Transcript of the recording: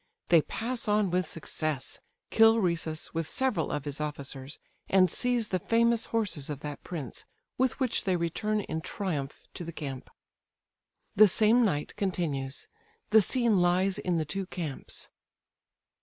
They pass on with success; kill Rhesus, with several of his officers, and seize the famous horses of that prince, with which they return in triumph to the camp. The same night continues; the scene lies in the two camps.